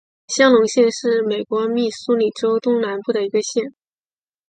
香农县是美国密苏里州东南部的一个县。